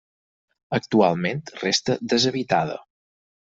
Actualment resta deshabitada.